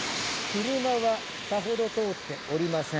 車はさほど通っておりません。